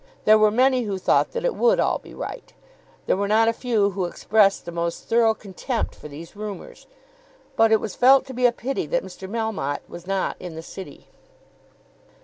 There were many who thought that it would all be right. There were not a few who expressed the most thorough contempt for these rumours. But it was felt to be a pity that Mr. Melmotte was not in the City.